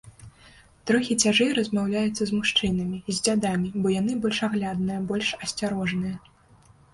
Трохі цяжэй размаўляецца з мужчынамі, з дзядамі, бо яны больш аглядныя, больш асцярожныя.